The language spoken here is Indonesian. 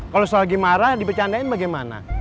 kalau selagi marah dibecandain bagaimana